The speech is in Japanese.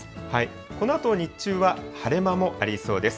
このあと日中は晴れ間もありそうです。